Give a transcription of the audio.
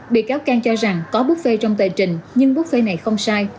bị cáo cang cho rằng có bút phê trong tề trình nhưng bút phê này không sai